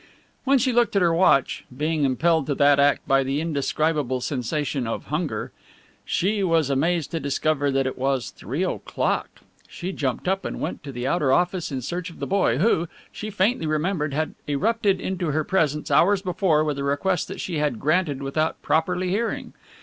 When she looked at her watch being impelled to that act by the indescribable sensation of hunger she was amazed to discover that it was three o'clock. She jumped up and went to the outer office in search of the boy who, she faintly remembered, had erupted into her presence hours before with a request which she had granted without properly hearing.